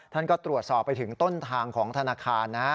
ท่านก็ตรวจสอบไปถึงต้นทางของธนาคารนะ